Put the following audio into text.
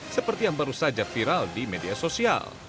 seperti yang baru saja viral di media sosial